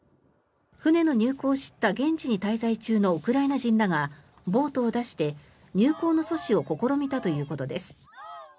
船の入港を知った現地に滞在中のウクライナ人らがボートを出して、入港の阻止を試みたということです。